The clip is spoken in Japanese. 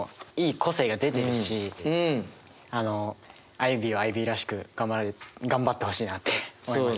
アイビーはアイビーらしく頑張る頑張ってほしいなって思いました。